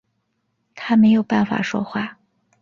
他没有办法说话